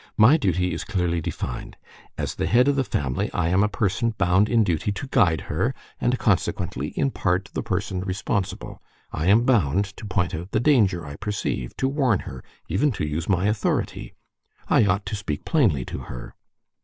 My duty is clearly defined. As the head of the family, I am a person bound in duty to guide her, and consequently, in part the person responsible; I am bound to point out the danger I perceive, to warn her, even to use my authority. I ought to speak plainly to her."